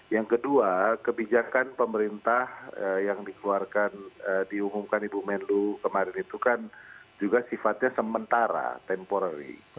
yang kedua kebijakan pemerintah yang dikeluarkan diumumkan ibu menlu kemarin itu kan juga sifatnya sementara temporary